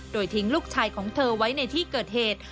โดยทิ้งลูกชายของเธอไว้ในที่เกิดเหตุ